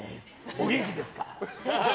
お元気ですか？